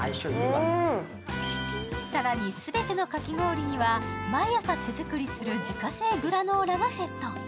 更にすべてのかき氷には毎日手作りする自家製グラノーラがセット。